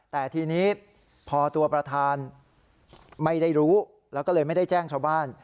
แต่ทีนี้พอตัวประธานไม่ได้รู้แล้วก็เลยไม่ได้แจ้งชาวบ้าน